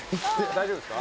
大丈夫ですか？